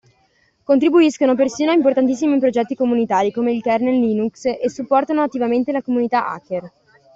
Contribuiscono persino a importantissimi progetti comunitari, come il Kernel Linux e supportano attivamente la comunità hacker.